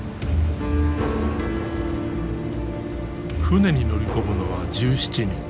船に乗り込むのは１７人。